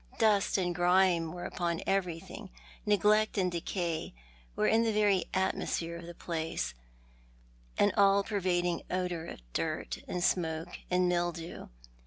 Dust and grime were upon everything, neglect and decay were in the very atmosphere of the place, an all pervading odour of dirt and smoke and mildew.